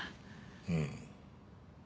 うん。